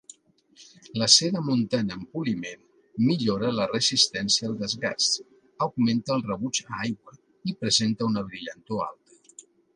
La cera montana en poliment millora la resistència al desgast, augmenta el rebuig a aigua i presenta una brillantor alta.